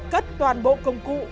cất toàn bộ công cụ